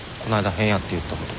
変やって言ったこと。